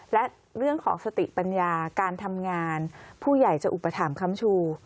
และเรื่องของสติปัญญาการทำงานผู้ใหญ่จะอุปถัมภัมชู